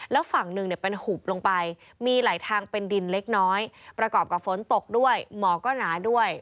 แล้วฝั่งหนึ่งเนี่ยเป็นหุบลงไปมีไหลทางเป็นดินเล็กน้อยประกอบกับฝนตกด้วยหมอก็หนาด้วย